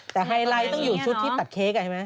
แต่ไฮไลท์ต้องอยู่ชุดที่ตัดเค้กเห็นไหม